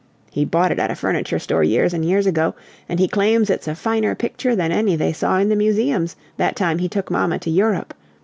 He bought it at a furniture store years and years ago, and he claims it's a finer picture than any they saw in the museums, that time he took mamma to Europe.